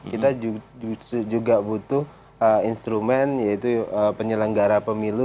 kita juga butuh instrumen yaitu penyelenggara pemilu